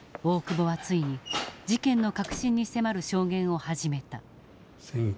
大久保はついに事件の核心に迫る証言を始めた。